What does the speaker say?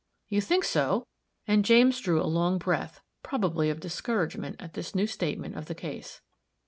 "You think so?" and James drew a long breath, probably of discouragement at this new statement of the case.